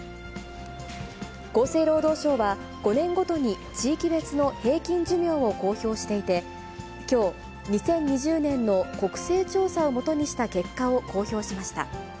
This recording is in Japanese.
厚生労働省は、５年ごとに地域別の平均寿命を公表していて、きょう、２０２０年の国勢調査を基にした結果を公表しました。